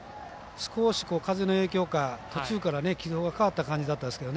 少し風の影響か、途中から軌道が変わった感じだったですけど。